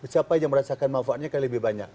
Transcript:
siapa saja merasakan manfaatnya kan lebih banyak